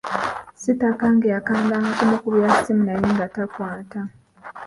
Sitakange yakandanga kumukubira ssimu naye nga takwata.